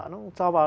nó cho vào